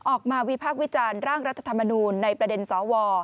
วิพากษ์วิจารณ์ร่างรัฐธรรมนูลในประเด็นสว